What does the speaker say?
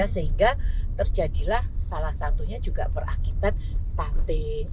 sehingga terjadilah salah satunya juga berakibat stunting